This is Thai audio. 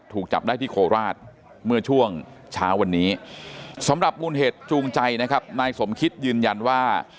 ถูกจับได้ที่โคราชเมื่อช่วงเช้าวันนี้สำหรับมูลเหตุจูงใจนะครับนายสมคิดยืนยันว่า